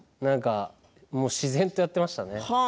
もう自然とやっていましたね。